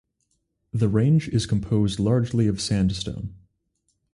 The range is composed largely of sandstone.